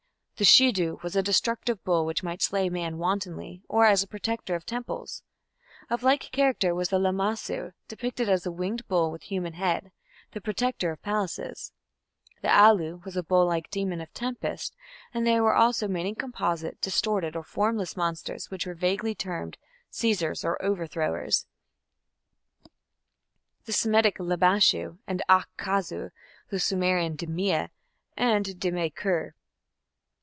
The "shedu" was a destructive bull which might slay man wantonly or as a protector of temples. Of like character was the "lamassu", depicted as a winged bull with human head, the protector of palaces; the "alu" was a bull like demon of tempest, and there were also many composite, distorted, or formless monsters which were vaguely termed "seizers" or "overthrowers", the Semitic "labashu" and "ach chazu", the Sumerian "dimmea" and "dimme kur".